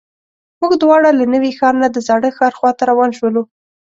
موږ دواړه له نوي ښار نه د زاړه ښار خواته روان شولو.